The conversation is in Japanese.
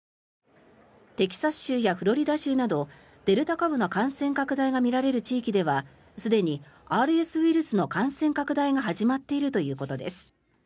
テキサス州やフロリダ州などデルタ株の感染拡大が見られる地域ではすでにＲＳウイルスの感染拡大が始まっているということです。